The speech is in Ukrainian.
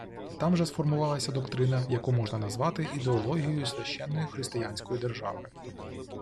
Там же сформувалася доктрина, яку можна назвати «ідеологією священної християнської держави»